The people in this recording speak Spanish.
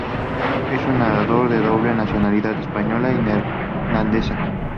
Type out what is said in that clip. Es un nadador de doble nacionalidad, española y neerlandesa.